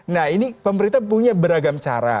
nah ini pemerintah punya beragam cara